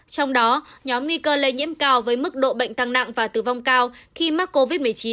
trong đó nhóm nguy cơ lây nhiễm cao với mức độ bệnh tăng nặng và tử vong cao khi mắc covid một mươi chín